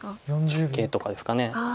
ツケとかですか。